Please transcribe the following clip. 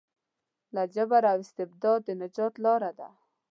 له جبر او استبداده د نجات لاره ده.